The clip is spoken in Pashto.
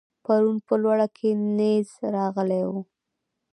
پرون په لوړه کې نېز راغلی و.